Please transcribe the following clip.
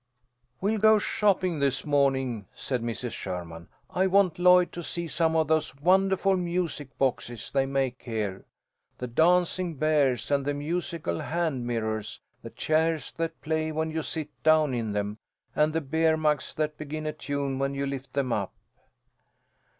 "We'll go shopping this morning," said Mrs. Sherman. "I want Lloyd to see some of those wonderful music boxes they make here; the dancing bears, and the musical hand mirrors; the chairs that play when you sit down in them, and the beer mugs that begin a tune when you lift them up."